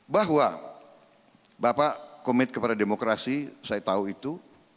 bahwa bapak komit kepada demokrasi saya tahu itu